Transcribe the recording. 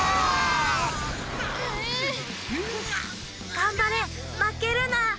がんばれまけるな！